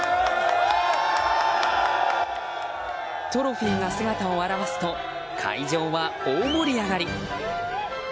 トロフィーが姿を現すと会場は大盛り上がり。